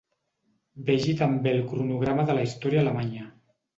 Vegi també el cronograma de la història alemanya.